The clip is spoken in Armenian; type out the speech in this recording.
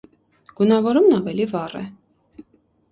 Գունավորումն ավելի վառ է։